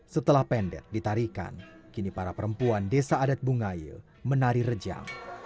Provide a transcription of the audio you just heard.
setelah pendek ditarikan kini para perempuan desa adat bungaya menari rejang